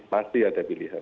pasti ada pilihan